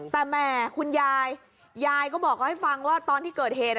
แต่แหมคุณยายยายก็บอกให้ฟังว่าตอนที่เกิดเหตุ